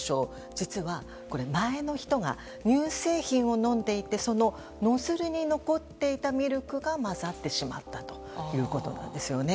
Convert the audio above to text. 実は、前の人が乳製品を飲んでいてそのノズルに残っていたミルクが混ざってしまったということなんですよね。